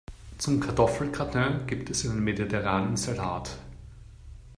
Zum Kartoffelgratin gibt es einen mediterranen Salat.